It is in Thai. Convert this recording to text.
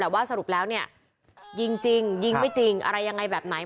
แต่ว่าสรุปแล้วเนี่ยยิงจริงยิงไม่จริงอะไรยังไงแบบไหน